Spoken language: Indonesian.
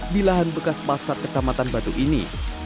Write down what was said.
di lahan bekas pasar kecamatan batu ini